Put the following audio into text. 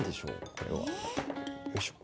これは。よいしょ。